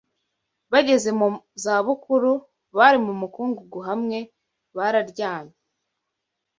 bageze mu za bukuru bari mu mukungugu hamwe bararyamye